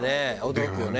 驚くよね。